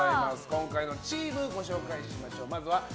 今回のチームご紹介しましょう。